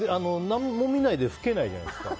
何も見ないで吹けないじゃないですか。